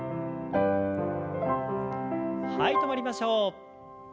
はい止まりましょう。